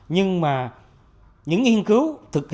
nhưng mà những nghiên cứu